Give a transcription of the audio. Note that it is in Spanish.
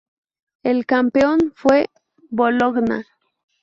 El campeón fue Bologna.